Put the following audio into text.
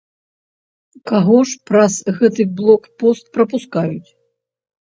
Каго ж праз гэты блок-пост прапускаюць?